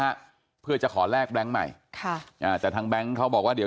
แล้วนะคะเพื่อจะขอแรกใหม่ค่ะจะทำแบร์งเล้วเขาบอกว่าเดี๋ยว